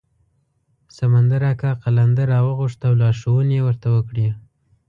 سمندر اکا قلندر راوغوښت او لارښوونې یې ورته وکړې.